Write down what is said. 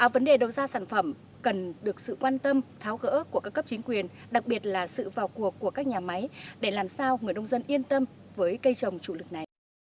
vấn đề đầu ra sản phẩm cần được sự quan tâm tháo gỡ của các cấp chính quyền đặc biệt là sự vào cuộc của các nhà máy để làm sao người nông dân yên tâm với cây trồng chủ lực này